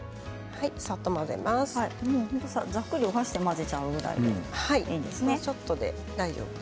ざっくりお箸で混ぜちゃうぐらいでいいんですね。